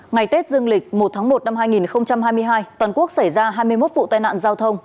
ngày tết dương lịch một tháng một năm hai nghìn hai mươi hai toàn quốc xảy ra hai mươi một vụ tai nạn giao thông